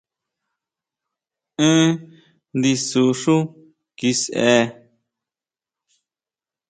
Én ndisú xú kiseʼe!